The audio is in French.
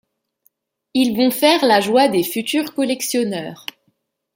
Ils vont faire la joie des futurs collectionneurs.